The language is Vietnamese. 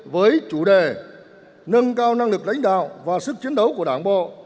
với chủ đề nâng cao năng lực lãnh đạo và sức chiến đấu của đảng bộ